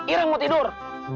irang mau tidur